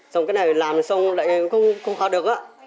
xong cái này làm xong lại không hào được á